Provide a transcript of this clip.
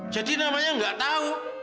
jadi namanya gak tahu